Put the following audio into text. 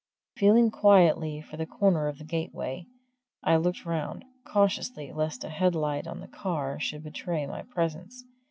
Feeling quietly for the corner of the gateway, I looked round, cautiously, lest a headlight on the car should betray my presence.